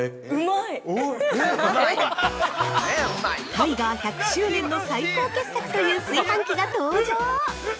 ◆タイガー１００周年の最高傑作という炊飯器が登場。